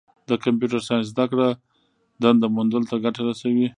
د کمپیوټر ساینس زدهکړه دنده موندلو ته ګټه رسوي.